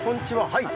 はい。